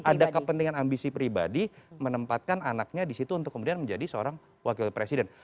ada kepentingan ambisi pribadi menempatkan anaknya disitu untuk kemudian menjadi seorang wakil presiden